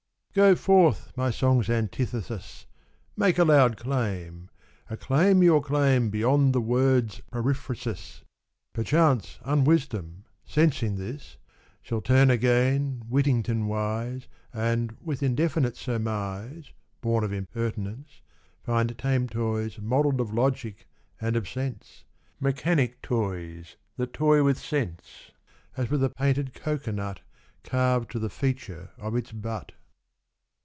Go forth, my song's antithesis, Make a loud claim, acclaim your claim Beyond the Word's periphrasis. Perchance unwisdom, sensing this, Shall turn again Whittington wise And, with indefinite surmise Born of impertinence, find tame Toys modelled of logic and of sense — Mechanic toys that toy with sense As with a painted cocoanut Carved to the feature of its butt.